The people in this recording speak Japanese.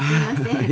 はい。